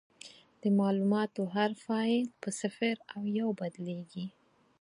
د معلوماتو هر فایل په صفر او یو بدلېږي.